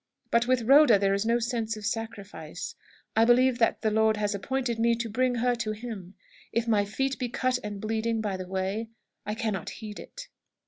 But with Rhoda there is no sense of sacrifice. I believe that the Lord has appointed me to bring her to Him. If my feet be cut and bleeding by the way, I cannot heed it."